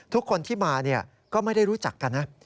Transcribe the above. ทุกคนที่มาก็ไม่ได้รู้จักกันนะ